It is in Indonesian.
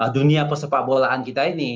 dunia persepakbolaan kita ini